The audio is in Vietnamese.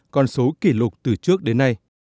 con số kỷ lục từ trước đến nay